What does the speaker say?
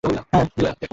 আমরা সেটা জানি না।